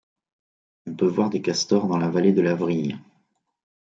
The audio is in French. On peut voir des castors dans la vallée de la Vrille.